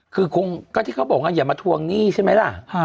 คือคงก็ที่เขาบอกว่าอย่ามาทวงหนี้ใช่ไหมล่ะ